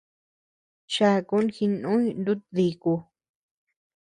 Chakun jínuy nútdiku.